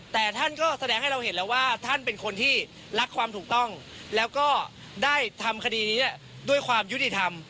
แต่ท่านก็แสดงให้เราเห็นแล้วว่าท่านเป็นคนที่รักความถูกต้องแล้วก็ได้ทำคดีนี้ด้วยความยุติธรรม